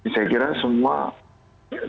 saya kira semua sudah melakukan